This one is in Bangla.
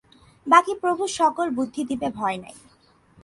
বাকী প্রভু সকল বুদ্ধি দিবে ভয় নাই।